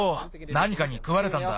なにかにくわれたんだ。